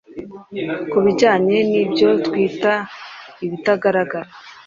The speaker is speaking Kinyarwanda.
Kubijyanye nibyo twita ibitagaragara